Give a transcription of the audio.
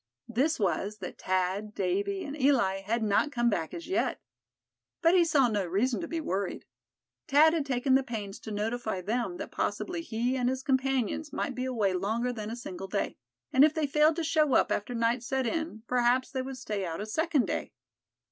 This was that Thad, Davy and Eli had not come back as yet. But he saw no reason to be worried. Thad had taken the pains to notify them that possibly he and his companions might be away longer than a single day; and if they failed to show up after night set in, perhaps they would stay out a second day.